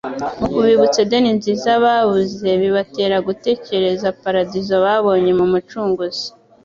Mu kubibutsa Edeni nziza babuze, bibatera gutekereza Paradiso babonye mu Mucunguzi.